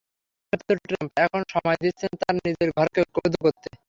দৃশ্যত, ট্রাম্প এখন সময় দিচ্ছেন তাঁর নিজের ঘরকে ঐক্যবদ্ধ করতে।